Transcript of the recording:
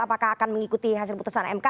apakah akan mengikuti hasil putusan mk